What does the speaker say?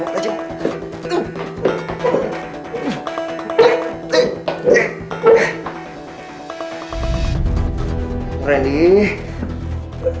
kau mau nangis pak